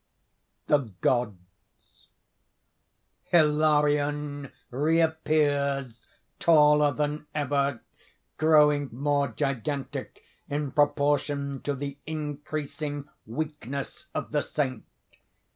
THE GODS Hilarion reappears taller than ever, growing more gigantic in proportion to the increasing weakness of the Saint.